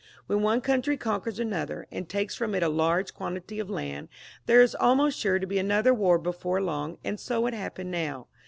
When one country conquers another, and takes from it a large quan tity of land, there is almost sure to be another war before long, and so it happened now.